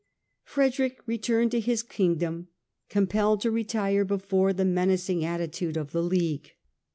Frederick returned to his Kingdom, compelled to retire before the menacing attitude of the League.